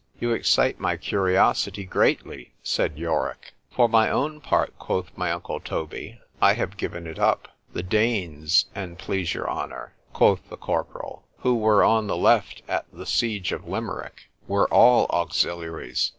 You excite my curiosity greatly, said Yorick. For my own part, quoth my uncle Toby, I have given it up.——The Danes, an' please your honour, quoth the corporal, who were on the left at the siege of Limerick, were all auxiliaries.